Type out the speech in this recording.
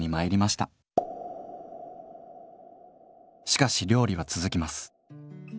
しかし料理は続きます。